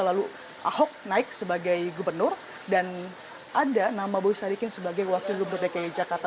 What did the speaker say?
lalu ahok naik sebagai gubernur dan ada nama boy sadikin sebagai wakil gubernur dki jakarta